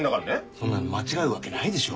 そんなの間違うわけないでしょ。